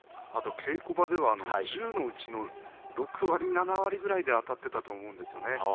稽古場では１０のうちの６割７割ぐらいであたっていたと思うんですね。